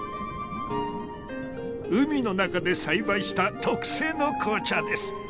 海の中で栽培した特製の紅茶です。